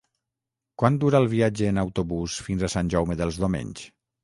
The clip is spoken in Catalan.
Quant dura el viatge en autobús fins a Sant Jaume dels Domenys?